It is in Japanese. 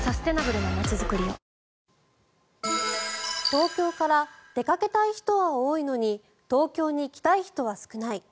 東京から出かけたい人は多いのに東京に来たい人は少ない。